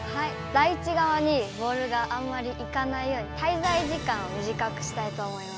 ダイチがわにボールがあんまり行かないようにたいざい時間をみじかくしたいと思います。